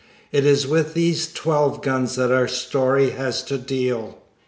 It is with these twelve guns that our story has to deal.